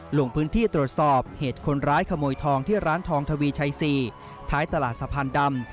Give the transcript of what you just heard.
ลงพื้นที่ตรวจสอบเหตุคนร้ายขโมยทองที่ร้านทองทวีชัย๔ท้ายตลาดสะพานดำ